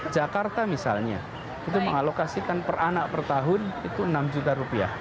jakarta misalnya mengalokasikan per anak per tahun itu rp enam